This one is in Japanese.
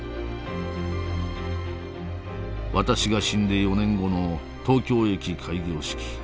私が死んで４年後の東京駅開業式。